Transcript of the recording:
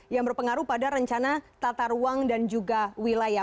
yang berpengaruh pada rencana tata ruang dan juga wilayah